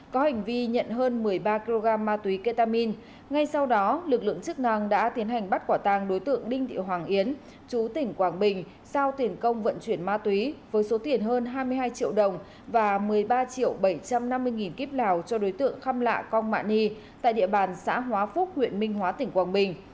có hành vi nhận hơn một mươi ba kg ma túy ketamin ngay sau đó lực lượng chức năng đã tiến hành bắt quả tàng đối tượng đinh thị hoàng yến chú tỉnh quảng bình giao tiền công vận chuyển ma túy với số tiền hơn hai mươi hai triệu đồng và một mươi ba triệu bảy trăm năm mươi nghìn kíp lào cho đối tượng khăm lạ cong mạ ni tại địa bàn xã hóa phúc huyện minh hóa tỉnh quảng bình